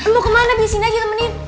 lo kemana biasanya aja temenin